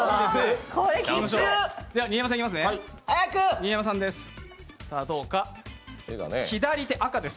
新山さんです。